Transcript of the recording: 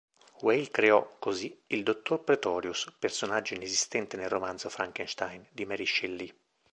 Whale creò, così, il dottor Pretorius, personaggio inesistente nel romanzo "Frankenstein" di Mary Shelley.